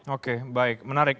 oke baik menarik